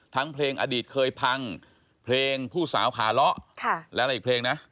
ทั้งเพลงอดีตเคยพังเพลงผู้สาวขาเลาะและอะไรอีกเพลงนะ